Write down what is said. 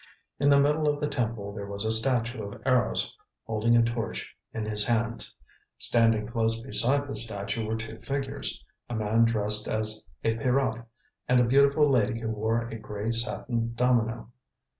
In the middle of the temple there was a statue of Eros holding a torch in his hands. Standing close beside the statue were two figures, a man dressed as a Pierrot, and a beautiful lady who wore a grey satin domino.